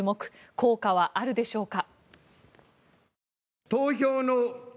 効果はあるでしょうか。